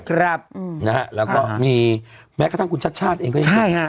ครับนะฮะงั้นไม่ฝากแม้กระทั่งคุณชาชาสเองยังคือใช่หรอ